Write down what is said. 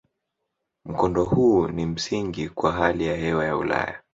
Mkondo huu ni msingi kwa hali ya hewa ya Ulaya.